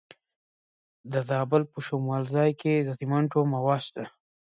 د زابل په شمولزای کې د سمنټو مواد شته.